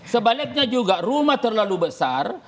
sebaliknya juga rumah terlalu besar